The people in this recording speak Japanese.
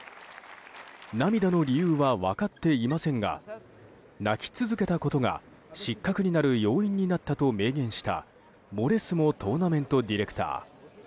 涙の理由は分かっていませんが泣き続けたことが失格になる要因になったと明言したモレスモトーナメントディレクター。